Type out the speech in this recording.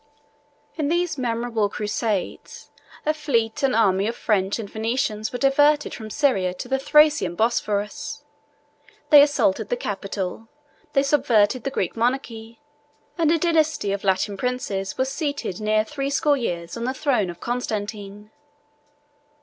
In these memorable crusades, a fleet and army of French and Venetians were diverted from Syria to the Thracian Bosphorus: they assaulted the capital, they subverted the Greek monarchy: and a dynasty of Latin princes was seated near threescore years on the throne of Constantine.